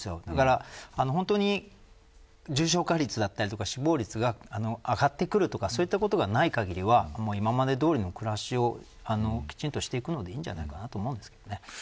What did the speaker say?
だから本当に重症化率だったり死亡率が上がってくるとかそういったことがない限りは今まで通りの暮らしをきちんとしていくのでいいんじゃないかなと思います。